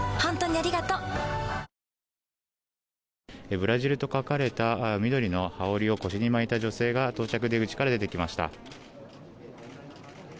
ブラジルと書かれた緑の羽織を腰に巻いた女性が到着出口から出てきました。